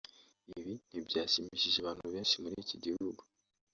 Ibi ntibyashimishije abantu benshi muri iki gihugu